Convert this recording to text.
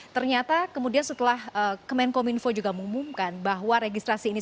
ternyata kemudian setelah kemenkominfo juga mengumumkan bahwa registrasi ini